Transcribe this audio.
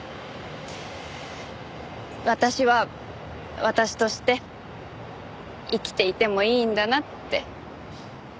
私は私として生きていてもいいんだなって。